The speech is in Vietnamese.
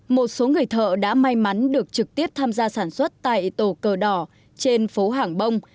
một số người thợ đã may mắn được trực tiếp tham gia sản xuất tại tổ cờ đỏ trên phố hàng bông